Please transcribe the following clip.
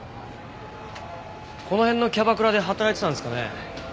この辺のキャバクラで働いてたんですかね？